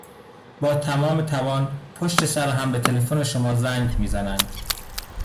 با تمام توان پشت سر هم به تلفن شما زنگ میزنند.